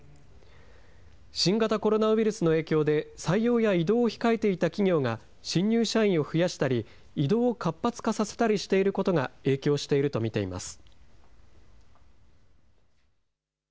新型コロナウイルスの影響で採用や異動を控えていた企業が、新入社員を増やしたり、異動を活発化させたりしていることが影響していると見ています。